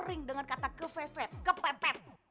ngering dengan kata kevepet kepepet